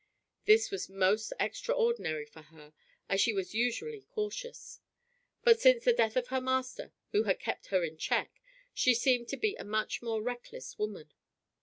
This was most extraordinary for her, as she was usually cautious. But since the death of her master, who had kept her in check, she seemed to be a much more reckless woman.